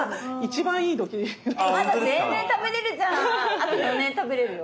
あと４年食べれるよ。